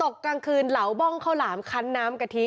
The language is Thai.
กลางคืนเหลาบ้องข้าวหลามคันน้ำกะทิ